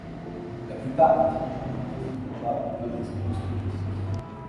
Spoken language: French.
La plupart des dirigeants du parti n'ont pas ou peu d’expérience politique.